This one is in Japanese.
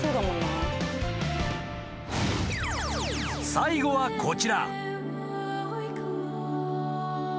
［最後はこちら］